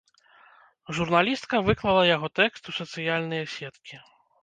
Журналістка выклала яго тэкст у сацыяльныя сеткі.